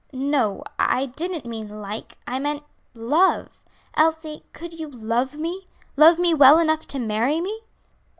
"No, I didn't mean like, I meant love. Elsie, could you love me love me well enough to marry me?"